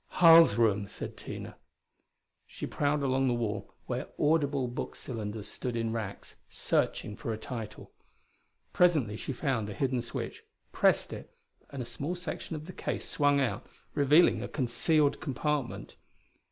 "Harl's room," said Tina. She prowled along the wall where audible book cylinders stood in racks, searching for a title. Presently she found a hidden switch, pressed it, and a small section of the case swung out, revealing a concealed compartment.